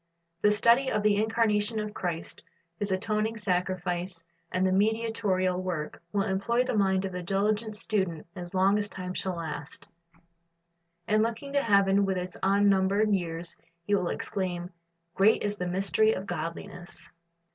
The study of the incarnation of Christ, His atoning sacrifice and mediatorial work, will employ the mind of the diligent student as long as time shall last; and looking to heaven with its unnumbered years, he will exclaim, "Great is the mystery of godliness."